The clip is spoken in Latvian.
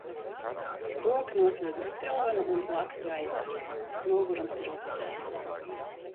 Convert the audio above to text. Roka noslīd uz spilvena un plaksti aizveras. Nogurums ir uzvarējis.